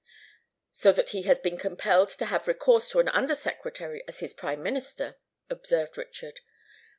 "So that he has been compelled to have recourse to an Under Secretary as his Prime Minister," observed Richard.